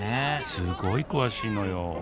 すごい詳しいのよ